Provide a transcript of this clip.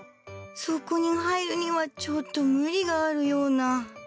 そこに入るにはちょっと無理があるような。